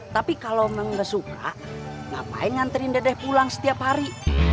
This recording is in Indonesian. tapi kalau memang nggak suka ngapain ngantriin dede pulang setiap hari